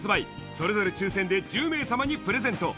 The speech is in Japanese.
それぞれ抽選で１０名様にプレゼント